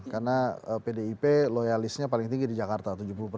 karena pdip loyalisnya paling tinggi di jakarta